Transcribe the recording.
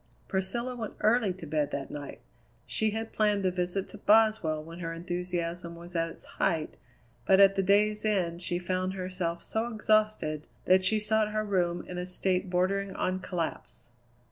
Priscilla went early to bed that night. She had planned a visit to Boswell when her enthusiasm was at its height, but at the day's end she found herself so exhausted that she sought her room in a state bordering on collapse.